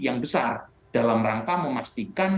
yang besar dalam rangka memastikan